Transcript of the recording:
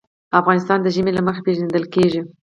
افغانستان د ژمی له مخې پېژندل کېږي.